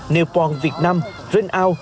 nailpong việt nam rainout